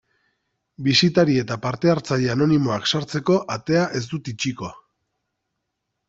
Bisitari eta parte hartzaile anonimoak sartzeko atea ez dut itxiko.